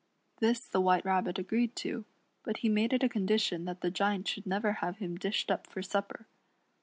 This the W^hite Rabbit agreed to ; but he made it a con dition that the Giant should never have him dished up for supper.